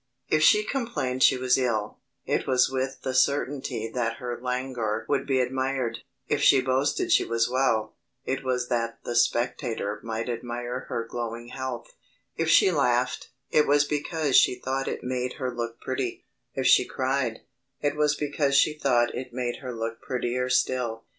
If she complained she was ill, it was with the certainty that her languor would be admired: if she boasted she was well, it was that the spectator might admire her glowing health: if she laughed, it was because she thought it made her look pretty: if she cried, it was because she thought it made her look prettier still.